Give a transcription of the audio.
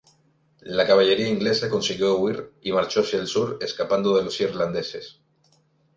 La caballería inglesa consiguió huir y marchó hacia el sur escapando de los irlandeses.